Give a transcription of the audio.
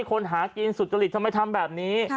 คนหากินสุจริตทำไมทำแบบนี้